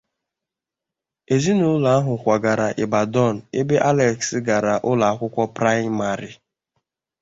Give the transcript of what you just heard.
Ezinụlọ ahụ kwagara Ibadan ebe Alex gara ụlọ akwụkwọ praịmarị.